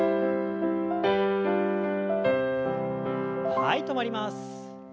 はい止まります。